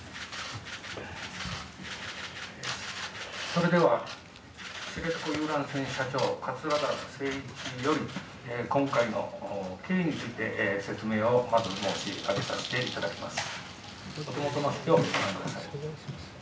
それでは知床遊覧船社長、桂田精一より今回の経緯について述べさせていただきます。